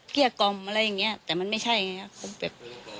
เกลี้ยกกอมอะไรอย่างนี้แต่มันไม่ใช่อย่างนี้